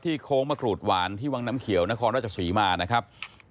โค้งมะกรูดหวานที่วังน้ำเขียวนครราชศรีมานะครับ